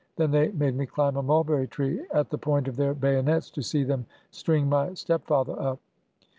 Then they made me climb a mulberry tree, at the point of their bayonets, to see them string my step father up